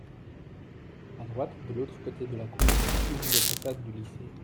A droite, de l’autre côté de la cour, une des façades du lycée.